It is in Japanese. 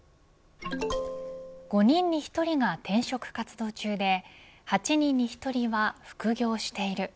５人に１人が転職活動中で８人に１人は副業している。